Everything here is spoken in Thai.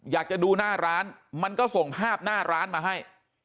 อยากจะดูหน้าร้านมันก็ส่งภาพหน้าร้านมาให้